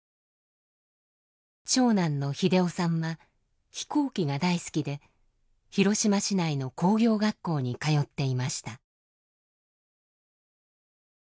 長男の秀雄さんは飛行機が大好きで広島市内の工業学校に通っていました。